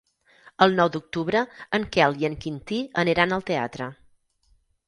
El nou d'octubre en Quel i en Quintí aniran al teatre.